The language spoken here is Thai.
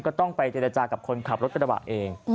ก็ต้องไปเจรจากับคนขับรถกระบะเอง